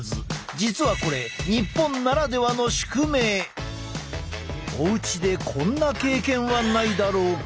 実はこれおうちでこんな経験はないだろうか。